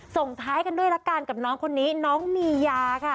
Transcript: ส่งท้ายกันด้วยละกันกับน้องคนนี้น้องมียาค่ะ